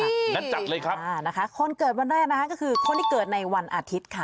งั้นจัดเลยครับอ่านะคะคนเกิดวันแรกนะคะก็คือคนที่เกิดในวันอาทิตย์ค่ะ